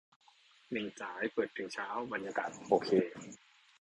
เหม่งจ๋าย เปิดถึงเช้า บรรยากาศโอเค